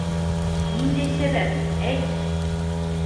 Ниндәй сәбәп, әйт.